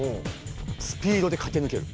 スピードでかけぬける。